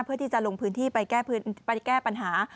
เพื่อที่จะลงพื้นที่ไปแก้ปัญหา